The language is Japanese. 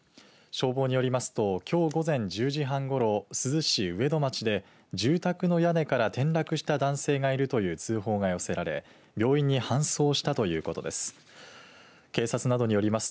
消防によりますときょう午前１０時半ごろ珠洲市上戸町で住宅の屋根から転落した男性がいるという通報が寄せられ病院に搬送したということです。